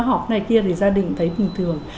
học này kia thì gia đình thấy bình thường